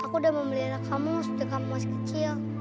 aku udah memelihara kamu sejak kamu masih kecil